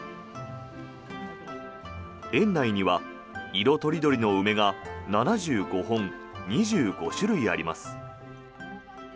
園内には色とりどりの梅が７５本２５種類あります。